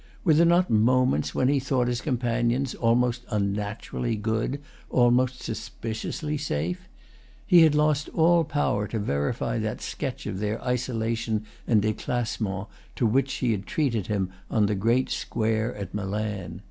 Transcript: Were there not moments when he thought his companions almost unnaturally good, almost suspiciously safe? He had lost all power to verify that sketch of their isolation and déclassement to which she had treated him on the great square at Milan.